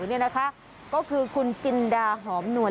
นี่นะคะก็คือคุณจินดาหอมหน่วย